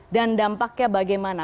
dan dampaknya bagaimana